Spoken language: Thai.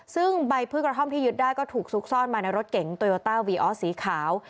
ซึ่งใบพืชกระท่อมที่ยึดได้ก็ถูกซุกซ่อนมาในรถเก๋งโตโยต้าวีออสสีขาว